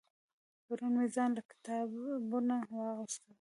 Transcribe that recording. پرون مې ځان له کتابونه واغستل